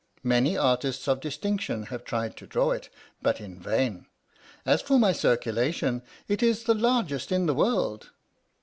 Many artists of dis tinction have tried to draw it, but in vain. As for my circulation, it is the largest in the world."